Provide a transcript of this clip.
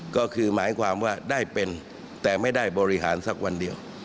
ก็คือหมายความว่าได้เป็นแต่ไม่ได้บริหารสักวันเดียว